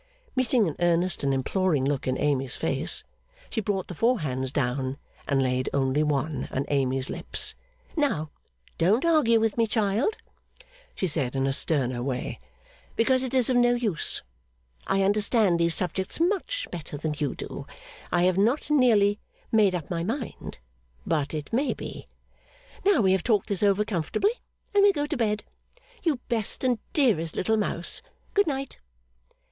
Meeting an earnest and imploring look in Amy's face, she brought the four hands down, and laid only one on Amy's lips. 'Now, don't argue with me, child,' she said in a sterner way, 'because it is of no use. I understand these subjects much better than you do. I have not nearly made up my mind, but it may be. Now we have talked this over comfortably, and may go to bed. You best and dearest little mouse, Good night!